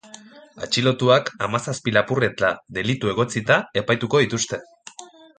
Atxilotuak hamazazpi lapurreta delitu egotzita epaituko dituzte.